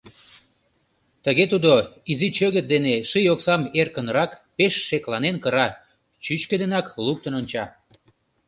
Тыге тудо изи чӧгыт дене ший оксам эркынрак, пеш шекланен кыра, чӱчкыдынак луктын онча.